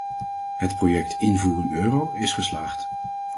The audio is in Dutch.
Het project "invoering euro" is geslaagd.